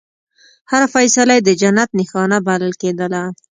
هره فیصله یې د جنت نښانه بلل کېدله.